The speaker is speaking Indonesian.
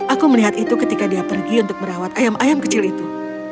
aku melihat itu ketika dia pergi untuk merawat ayam ayam kecil itu